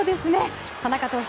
田中投手